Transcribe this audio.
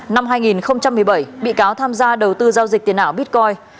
năm hai nghìn một mươi bảy bị cáo tham gia đầu tư giao dịch tiền ảo bitcoin